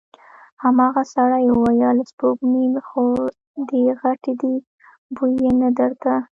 هماغه سړي وويل: سپږمې خو دې غټې دې، بوی يې نه درته؟